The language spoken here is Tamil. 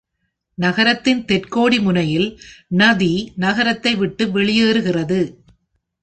நகரத்தின் தெற்குகோடி முனையில் நதி நகரத்தை விட்டு வெளியேறுகிறது.